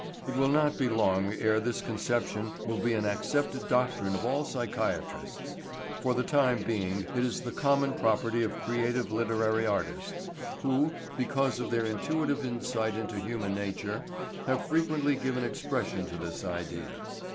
It will not be long ere this conception will be an accepted doctrine of all psychiatrists. For the time being it is the common property of creative literary artists, who, because of their intuitive insight into human nature, have frequently given expression to this idea.